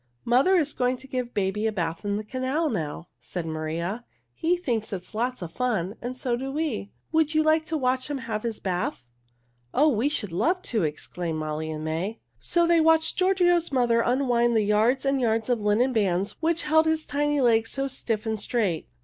"Mother is going to give baby a bath in the canal now," said Maria. "He thinks it is lots of fun and so do we. Would you like to watch him have his bath?" "Oh, we should love to!" exclaimed Molly and May. So they watched Giorgio's mother unwind the yards and yards of linen bands which held his tiny legs so stiff and straight.